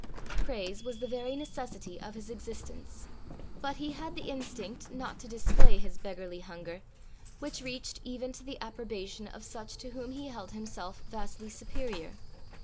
Praise was the very necessity of his existence, but he had the instinct not to display his beggarly hunger which reached even to the approbation of such to whom he held himself vastly superior.